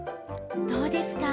どうですか？